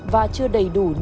và chưa đầy đủ tài sản